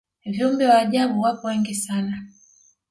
viumbe wa ajabu wapo wengi sana